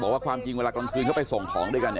ว่าความจริงเวลากลางคืนเขาไปส่งของด้วยกัน